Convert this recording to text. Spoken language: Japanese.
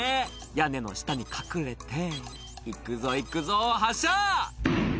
「屋根の下に隠れていくぞいくぞ発射！」